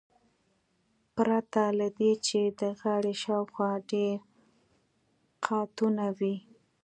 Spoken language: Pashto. پرته له دې چې د غاړې شاوخوا ډیر قاتونه وي